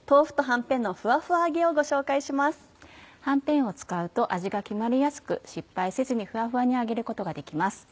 はんぺんを使うと味が決まりやすく失敗せずにふわふわに揚げることができます。